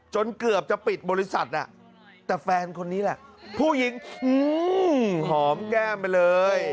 จนเกือบจะปิดบริษัทแต่แฟนคนนี้แหละผู้หญิงหอมแก้มไปเลย